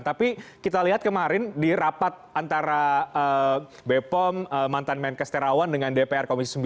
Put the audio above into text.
tapi kita lihat kemarin di rapat antara bepom mantan menkes terawan dengan dpr komisi sembilan